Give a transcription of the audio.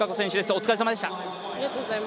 お疲れさまでした。